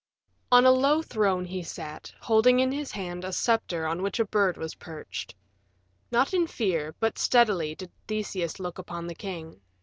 On a low throne he sat, holding in his hand a scepter on which a bird was perched. Not in fear, but steadily, did Theseus look upon the king.